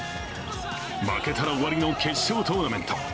負けたら終わりの決勝トーナメント。